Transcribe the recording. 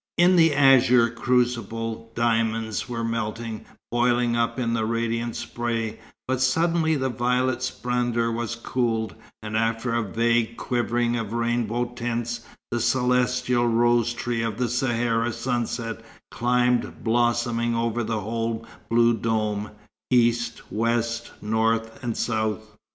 In the azure crucible diamonds were melting, boiling up in a radiant spray, but suddenly the violet splendour was cooled, and after a vague quivering of rainbow tints, the celestial rose tree of the Sahara sunset climbed blossoming over the whole blue dome, east, west, north and south.